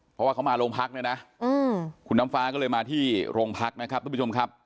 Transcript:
เพราะว่าเขามาโรงพักเนี่ยนะคุณน้ำฟ้าก็เลยมาที่โรงพักนะครับทุกผู้ชมครับ